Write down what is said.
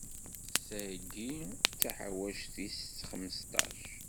Tayi d taḥawact tis xmesṭac.